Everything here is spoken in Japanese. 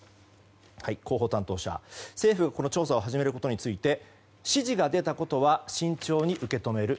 広報担当者政府が調査を始めることについて指示が出たことは慎重に受け止める。